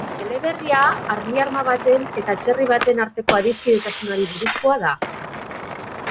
Eleberria armiarma baten eta txerri baten arteko adiskidetasunari buruzkoa da.